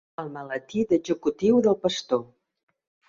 El maletí d'executiu del pastor.